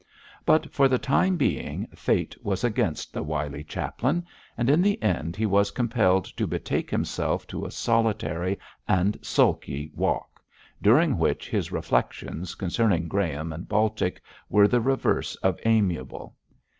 But, for the time being, Fate was against the wily chaplain, and, in the end, he was compelled to betake himself to a solitary and sulky walk, during which his reflections concerning Graham and Baltic were the reverse of amiable.